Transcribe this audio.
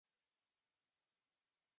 美国音乐家及发明家。